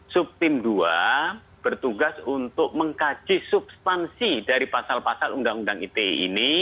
subtim dua bertugas untuk mengkaji substansi dari pasal pasal undang undang ite ini